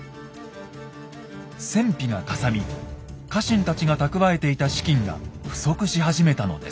戦費がかさみ家臣たちが蓄えていた資金が不足し始めたのです。